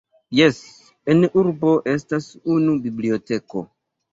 Jes, en urbo estas unu biblioteko.